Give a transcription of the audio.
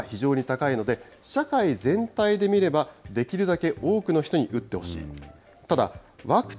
ワクチンは重症化を防ぐ効果は非常に高いので、社会全体で見れば、できるだけ多くの人に打ってほしい。